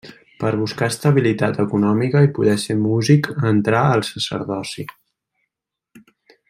Per buscar estabilitat econòmica i poder ser músic entrà al sacerdoci.